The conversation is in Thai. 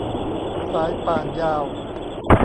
สายป่านยาว